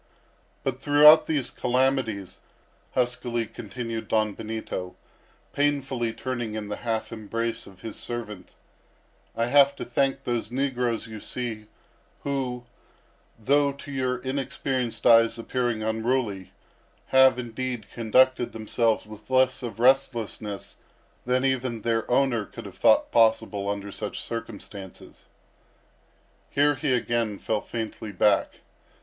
"But throughout these calamities," huskily continued Don Benito, painfully turning in the half embrace of his servant, "I have to thank those negroes you see, who, though to your inexperienced eyes appearing unruly, have, indeed, conducted themselves with less of restlessness than even their owner could have thought possible under such circumstances." Here he again fell faintly back.